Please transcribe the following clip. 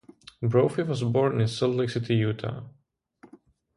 Brophy was born in Salt Lake City, Utah.